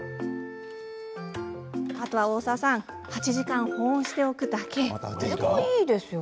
あとは８時間保温しておくだけ。